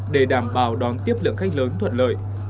để đảm bảo đón tiếp lượng khách lớn thuận lợi